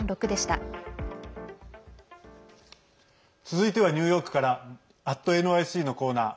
続いてはニューヨークから「＠ｎｙｃ」のコーナー。